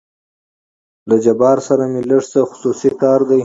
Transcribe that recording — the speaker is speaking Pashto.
له جبار سره مې لېږ څه خصوصي کار دى.